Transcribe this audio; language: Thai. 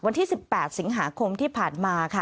วันที่๑๘สิงหาคมที่ผ่านมาค่ะ